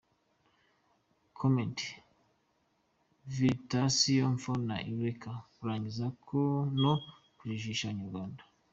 Comment:veritasinfo.fr n ireke kurangaza no kujijisha Abanyarwanda